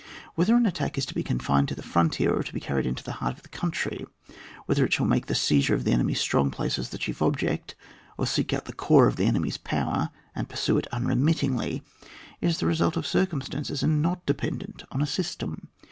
Whether an attack is to be confined to the frontier or to be carried into the heart of the country, whether it shall make the seizure of the enemy's strong places the chief object, or seek out the core of the enemy's power, and pursue it un remittingly, is the result of circum stances, and not dependent on a sys tem.